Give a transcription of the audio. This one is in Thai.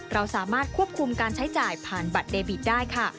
เราสามารถควบคุมการใช้จ่ายผ่านบัตรเดบิตได้ค่ะ